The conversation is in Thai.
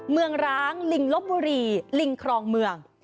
เมืองร้างลิงลบบุรีลิงครองเมือง